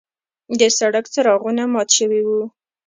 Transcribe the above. د سړک څراغونه مات شوي وو.